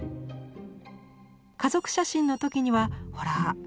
家族写真の時にはほら！